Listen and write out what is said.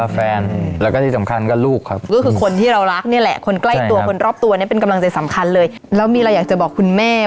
แต่สินใจเลิกวันนั้นเดี๋ยวนั้นใช่ก็เลิกเลย